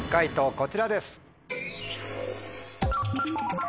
こちらです。